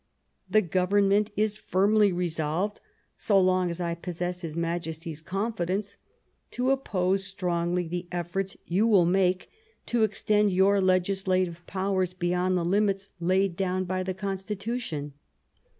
The Government is firmly resolved, so long as I possess his Majesty's con fidence, to oppose strongly the efforts you will make to extend your legislative powers beyond the limits laid down by the Constitution.